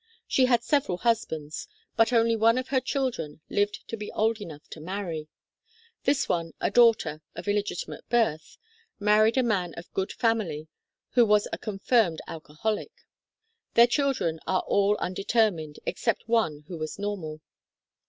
She had several husbands, but only one of her children lived to be old enough to marry. This one, a daughter of illegitimate birth, married a man of good family who was a confirmed alcoholic. Their children are all un determined, except one who was normal.